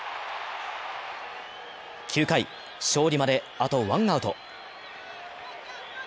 ９回、勝利まであとワンアウト。